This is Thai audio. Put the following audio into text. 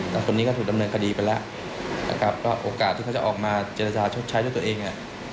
ตัวนี้ก็ถูกดำเนินคดีไปแล้วก็โอกาสที่เขาจะออกมาเจรจาชดใช้ตัวเอง